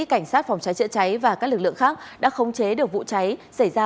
cảnh sát phòng cháy chữa cháy và các lực lượng khác đã khống chế được vụ cháy xảy ra